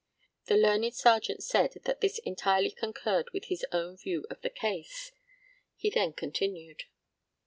The learned Serjeant said that this entirely concurred with his own view of the case. He then continued.